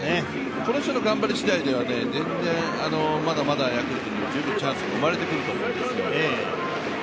この人の頑張り次第ではヤクルトにもまだまだチャンスが生まれてくると思います。